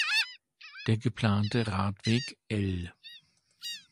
Der geplante Radweg l